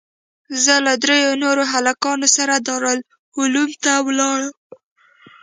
زه له درېو نورو هلکانو سره دارالعلوم ته ولاړم.